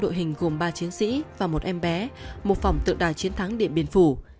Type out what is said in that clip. đội hình gồm ba chiến sĩ và một em bé một phòng tượng đài chiến thắng điện biên phủ